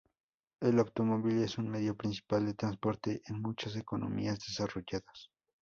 El automóvil es un medio principal de transporte en muchas economías desarrolladas.